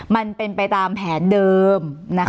มันเป็นไปตามแผนเดิม